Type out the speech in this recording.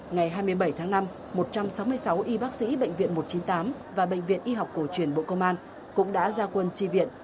ngày hai mươi bảy tháng năm một trăm sáu mươi sáu y bác sĩ bệnh viện một trăm chín mươi tám và bệnh viện y học cổ truyền bộ công an cũng đã ra quân tri viện